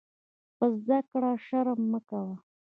په زده کړه شرم مه کوۀ.